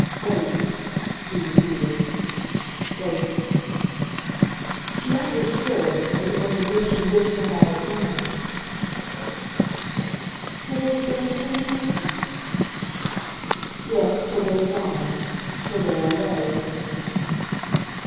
"Wait," he repeated. "Wait." She understood, but it was as if she wished to have it from him. "Till they've been here, you mean?" "Yes, till they've gone. Till they're away."